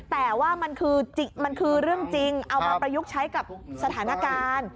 แต่ว่ามันคือมันคือเรื่องจริงเอามาประยุกต์ใช้กับสถานการณ์